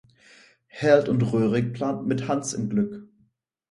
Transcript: Herlth und Röhrig planten mit "Hans im Glück.